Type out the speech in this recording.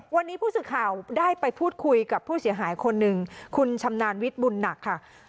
วันนี้ผู้สื่อข่าวได้ไปพูดคุยกับผู้เสียหายคนหนึ่งคุณชำนาญวิทย์บุญหนักค่ะ